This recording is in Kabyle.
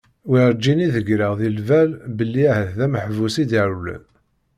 Werǧin i d-greɣ di lbal belli ahat d ameḥbus i d-irewlen.